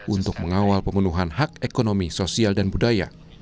untuk mengawal pemenuhan hak ekonomi sosial dan budaya